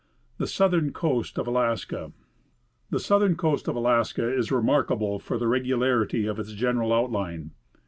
THE SOUTHERN COAST OF ALASKA. The southern coast of Alaska is remarkable for the regularity of its general outline.